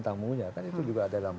tamunya kan itu juga ada dalam